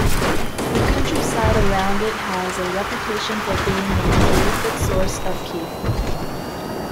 The countryside around it has a reputation for being a prolific source of kief.